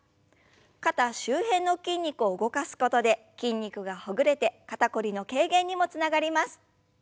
肩周辺の筋肉を動かすことで筋肉がほぐれて肩こりの軽減にもつながります。